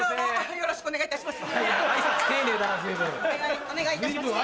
よろしくお願いします。